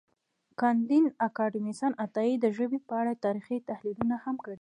کانديد اکاډميسن عطایي د ژبې په اړه تاریخي تحلیلونه هم کړي دي.